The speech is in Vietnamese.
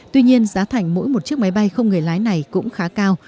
tuy nhiên giá thành mỗi một chiếc máy bay không người lái này cũng khá cao